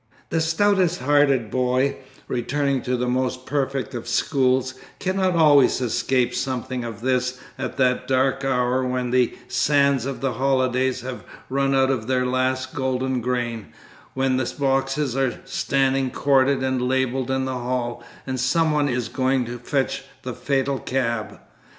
The stoutest hearted boy, returning to the most perfect of schools, cannot always escape something of this at that dark hour when the sands of the holidays have run out to their last golden grain, when the boxes are standing corded and labelled in the hall, and some one is going to fetch the fatal cab.